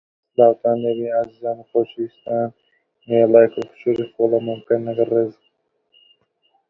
کاتێ کە بۆ سەر ئاوێ، زولفی لە سەرووی بەرزی